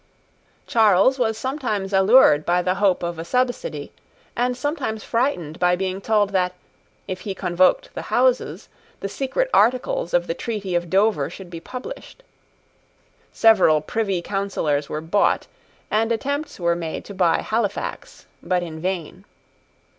Charles was sometimes allured by the hope of a subsidy, and sometimes frightened by being told that, if he convoked the Houses, the secret articles of the treaty of Dover should be published. Several Privy Councillors were bought; and attempts were made to buy Halifax, but in vain.